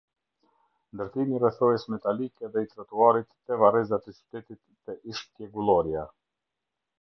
Ndërtimi i rrethojës metalike dhe i trotuarit te varrezat e qytetit te ish tjegullorja